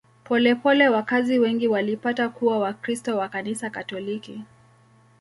Polepole wakazi wengi walipata kuwa Wakristo wa Kanisa Katoliki.